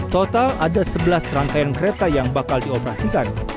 total ada sebelas rangkaian kereta yang bakal dioperasikan